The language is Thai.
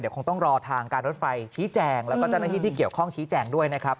คงต้องรอทางการรถไฟชี้แจงแล้วก็เจ้าหน้าที่ที่เกี่ยวข้องชี้แจงด้วยนะครับ